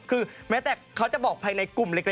คือแม้แต่เขาจะบอกภายในกลุ่มเล็ก